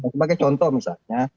sebagai contoh misalnya